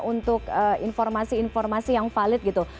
untuk informasi informasi yang valid gitu